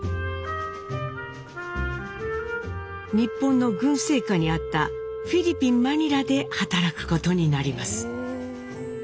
日本の軍政下にあったフィリピンマニラで働くことになります。